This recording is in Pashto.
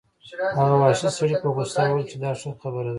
هغه وحشي سړي په غوسه وویل چې دا ښه خبره ده